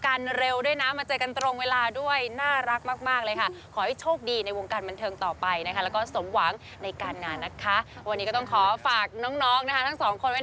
ก็เหมือนเราก็ได้แบบมีประสบการณ์เกี่ยวไปก่อนนะครับ